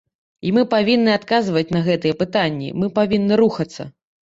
І мы павінны адказваць на гэтыя пытанні, мы павінны рухацца.